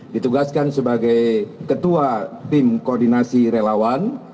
ditugaskan sebagai ketua tim koordinasi relawan